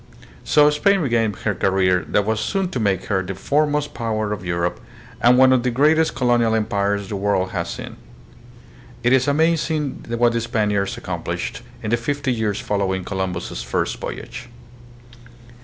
So Spain began her career that was soon to make her the foremost power of Europe and one of the greatest colonial empires the world has seen. It is amaz ing what the Spaniards accomplished in the fifty years following Columbus's first voyage.